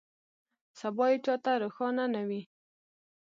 سبا یې چا ته روښانه نه وي.